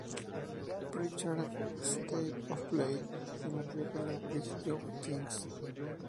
Pritchard", "State of Play" y la película "Bright Young Things".